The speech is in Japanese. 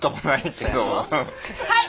はい！